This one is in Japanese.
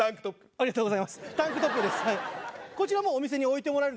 ありがとうございます。